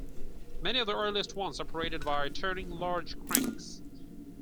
Many of the earliest ones operated by turning large cranks.